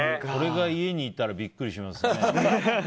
これが家にいたらびっくりしますね。